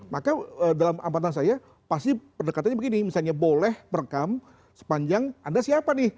maka dalam ampatan saya pasti pendekatannya begini misalnya boleh merekam sepanjang anda siapa nih